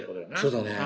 そうだね。